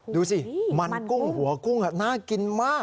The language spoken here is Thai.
ดูสิมันกุ้งหัวกุ้งน่ากินมาก